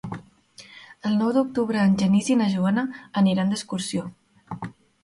El nou d'octubre en Genís i na Joana aniran d'excursió.